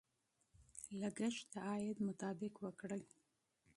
لګښت د عاید مطابق وکړئ.